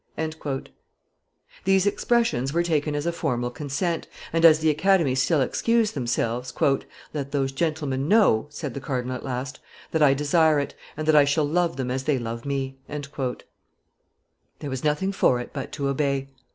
'" These expressions were taken as a formal consent, and as the Academy still excused themselves, " Let those gentlemen know," said the cardinal at last, "that I desire it, and that I shall love them as they love me." There was nothing for it but to obey.